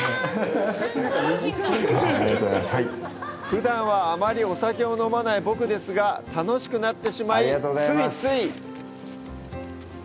ふだんはあまりお酒を飲まない僕ですが、楽しくなってしまい、ついつい。